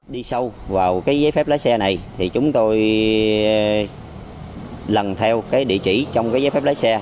đi sâu vào giấy phép lái xe này chúng tôi lần theo địa chỉ trong giấy phép lái xe này